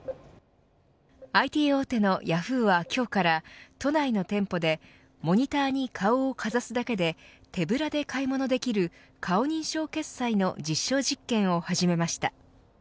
ＩＴ大手のヤフーは今日から都内の店舗でモニターに顔をかざすだけで手ぶらで買い物できる顔認証決済の実証実験を始めました。